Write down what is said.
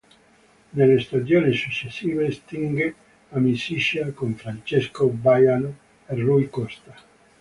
Nelle stagioni successive stringe amicizia con Francesco Baiano e Rui Costa.